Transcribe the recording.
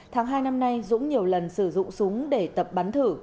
tháng hai năm nay dũng nhiều lần sử dụng súng để tập bắn thử